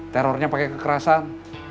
terornya pakai kekerasan